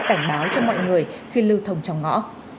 cảnh báo cho mọi người khi lưu thông trong ngõ